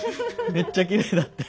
めっちゃきれいだったよ。